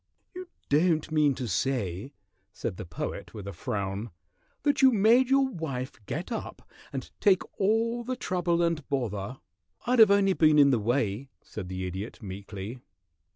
"You don't mean to say," said the Poet, with a frown, "that you made your wife get up and take all the trouble and bother " "I'd only have been in the way," said the Idiot, meekly.